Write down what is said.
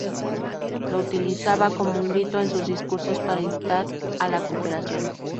Lo utilizaba como un grito en sus discursos para instar a la cooperación.